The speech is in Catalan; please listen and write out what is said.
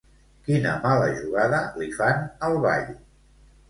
Quina mala jugada li fan al ball?